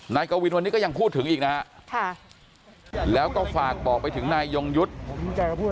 นายกวินวันนี้ก็ยังพูดถึงอีกนะฮะแล้วก็ฝากบอกไปถึงนายยงยุทธ์